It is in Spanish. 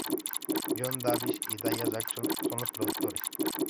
John Davis y Dallas Jackson son los productores.